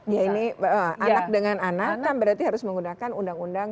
ya ini anak dengan anak kan berarti harus menggunakan undang undang sebelas dua ribu dua belas